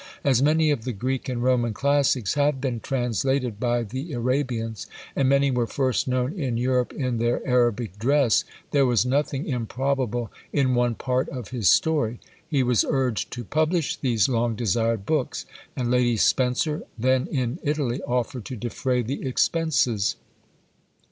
As many of the Greek and Roman classics have been translated by the Arabians, and many were first known in Europe in their Arabic dress, there was nothing improbable in one part of his story. He was urged to publish these long desired books; and Lady Spencer, then in Italy, offered to defray the expenses.